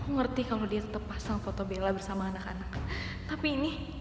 maka semua masalah ini akan kelar ya kan